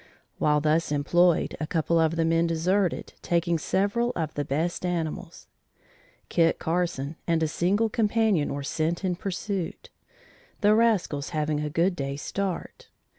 While thus employed, a couple of the men deserted taking several of the best animals. Kit Carson and a single companion were sent in pursuit, the rascals having a good day's start.